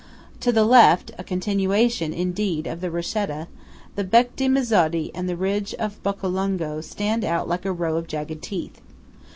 To the left–a continuation, indeed, of the Rochetta–the Bec di Mezzodi and the ridge of Beccolungo, stand out like a row of jagged teeth.